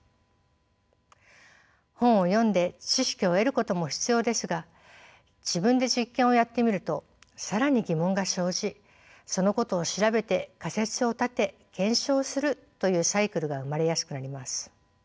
本を読んで知識を得ることも必要ですが自分で実験をやってみると更に疑問が生じそのことを調べて仮説を立て検証するというサイクルが生まれやすくなります。